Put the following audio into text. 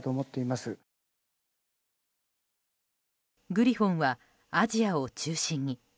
グリフォンはアジアを中心に。